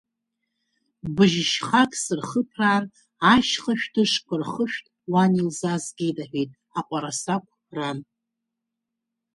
Быжь-шьхак сырхыԥраан, ашьха шәҭышқәа рхышәҭ уан илзаазгеит, — аҳәеит аҟәарасақә ран.